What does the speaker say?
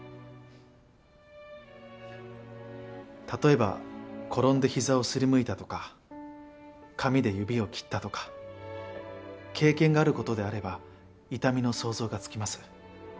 例えば転んでひざを擦りむいたとか紙で指を切ったとか経験がある事であれば痛みの想像がつきます。